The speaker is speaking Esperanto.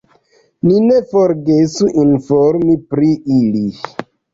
Ni ne forgesu informi pri ili!